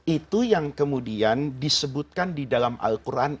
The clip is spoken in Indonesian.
itu yang kemudian disebutkan di dalam al quran